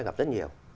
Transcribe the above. tôi gặp rất nhiều